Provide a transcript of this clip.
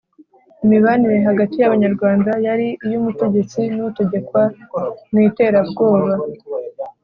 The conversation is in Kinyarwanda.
imibanire hagati y'abanyarwanda yari iy' umutegetsi n' utegekwa mu iterabwoba,